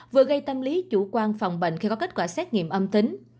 vừa gây tâm lý chủ quan phòng bệnh khi có kết quả xét nghiệm âm tính